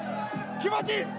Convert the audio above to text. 気持ちいいです！